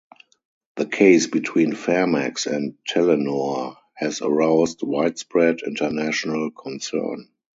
The case between Farimex and Telenor has aroused widespread, international concern.